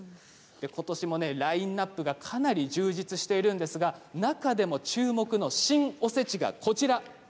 ことしもラインナップがかなり充実しているんですが中でも注目の新おせちが、こちらです。